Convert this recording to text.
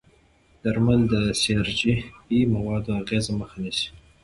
درمل د سي ار جي پي موادو اغېزې مخه نیسي.